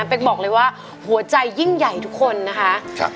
เป๊กบอกเลยว่าหัวใจยิ่งใหญ่ทุกคนนะคะ